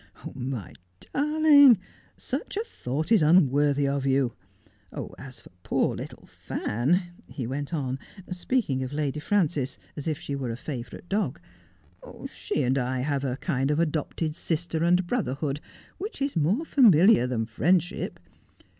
' My darling, such a thought is unworthy of you. As for poor little Fan, 1 he went on, speaking of Lady Frances as if she On the Wing. 151 were a favourite dog, ' she and I have a kind of adopted sister and brotherhood which is more familiar than friendship.